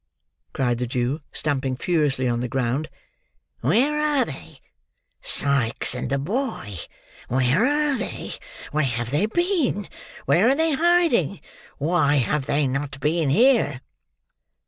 cried the Jew, stamping furiously on the ground. "Where are they? Sikes and the boy! Where are they? Where have they been? Where are they hiding? Why have they not been here?"